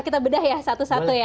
kita bedah ya satu satu ya